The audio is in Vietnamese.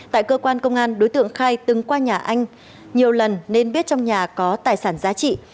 tại cơ quan công an đối tượng khai từng qua nhà anh nhiều lần nên biết trong nhà có tài sản giá trị